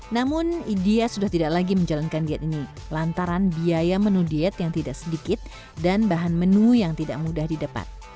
namun dia sudah tidak lagi menjalankan diet ini lantaran biaya menu diet yang tidak sedikit dan bahan menu yang tidak mudah didapat